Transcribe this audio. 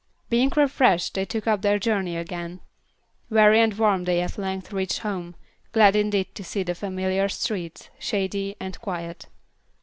Being refreshed they took up their journey again. Weary and warm they at length reached home, glad indeed to see the familiar streets, shady and quiet.